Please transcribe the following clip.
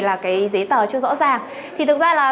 là cái giấy tờ chưa rõ ràng thì thực ra là